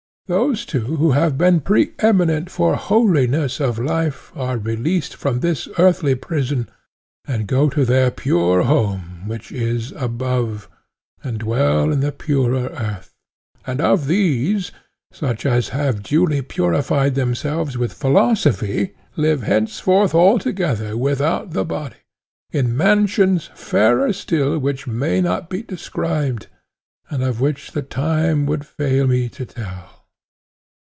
Those too who have been pre eminent for holiness of life are released from this earthly prison, and go to their pure home which is above, and dwell in the purer earth; and of these, such as have duly purified themselves with philosophy live henceforth altogether without the body, in mansions fairer still which may not be described, and of which the time would fail me to tell.